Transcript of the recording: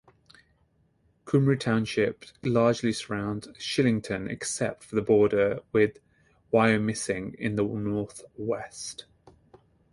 Cumru Township largely surrounds Shillington, except for the border with Wyomissing in the northwest.